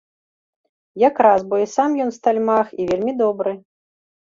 Якраз бо і сам ён стальмах, і вельмі добры.